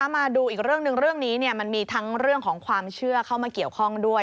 มาดูอีกเรื่องหนึ่งเรื่องนี้มันมีทั้งเรื่องของความเชื่อเข้ามาเกี่ยวข้องด้วย